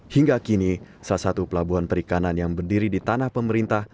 hingga kini salah satu pelabuhan perikanan yang berdiri di tanah pemerintah